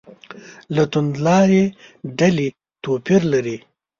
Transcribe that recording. له توندلارې ډلې توپیر لري.